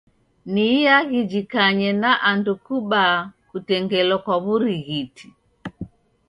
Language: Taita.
Ni iaghi jikanye na andu kubaa kutengelo kwa w'urighiti.